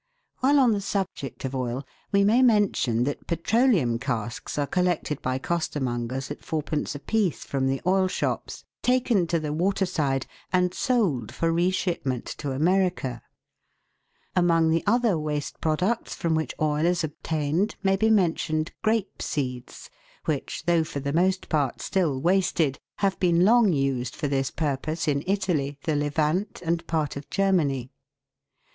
While on the subject of oil, we may mention that petroleum casks are collected by costermongers at 4d. a piece from the oil shops, taken to the water side, and sold for re shipment to America. GRAPE SKINS AND ORANGE PEEL. 305 Among the other waste products from which oil is obtained may be mentioned grape seeds, which, though for the most part still wasted, have been long used for this purpose in Italy, the Levant, and part of Germany.